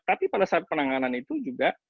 tapi pada saat penanganan itu juga